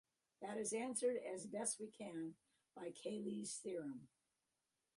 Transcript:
That is answered, as best we can by Cayley's theorem.